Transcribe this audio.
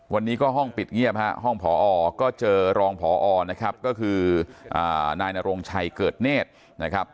วันนี้ก็ห้องปิดเงียบฮะห้องพอก็เจอรองพอนะครับก็คือนายนโรงชัยเกิดเนธนะครับ